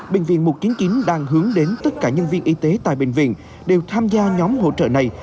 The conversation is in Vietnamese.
bệnh viện một trăm chín mươi chín đang hướng đến tất cả nhân viên y tế tại bệnh viện đều tham gia nhóm hỗ trợ này